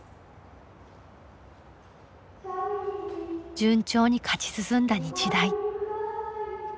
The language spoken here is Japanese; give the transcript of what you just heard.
順調に勝ち進んだ日大。